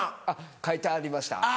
あっ書いてありました。